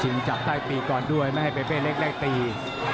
จินจับได้ตีก่อนด้วยไม่ให้เป้เล็กได้ตี